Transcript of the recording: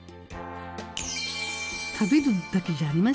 食べるだけじゃありません。